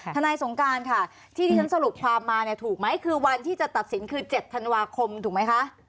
สงการค่ะที่ที่ฉันสรุปความมาเนี่ยถูกไหมคือวันที่จะตัดสินคือ๗ธันวาคมถูกไหมคะ